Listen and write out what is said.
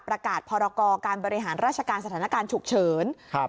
ประกาศพรกรการบริหารราชการสถานการณ์ฉุกเฉินครับ